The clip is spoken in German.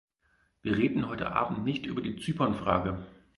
Wir reden heute Abend nicht über die Zypernfrage.